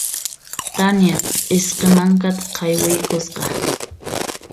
Tania p'isqi mankata qaywiykusqa.